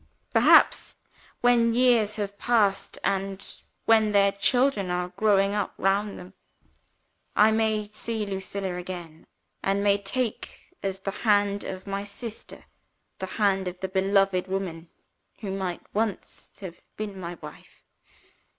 "Perhaps, when years have passed, and when their children are growing up round them, I may see Lucilla again, and may take as the hand of my sister, the hand of the beloved woman who might once have been my wife.